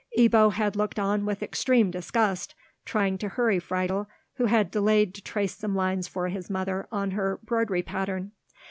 Ebbo had looked on with extreme disgust, trying to hurry Friedel, who had delayed to trace some lines for his mother on her broidery pattern.